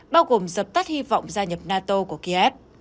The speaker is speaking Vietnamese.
bao gồm dập tắt hy vọng gia nhập nato của kiev